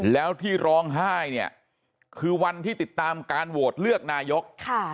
แล้วที่ร้องไห้เนี่ยคือวันที่ติดตามการโหวตเลือกนายก